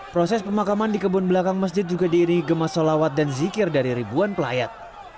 proses pemakaman di kebun belakang masjid juga diiringi gemas solawat dan zikir dari ribuan pelayat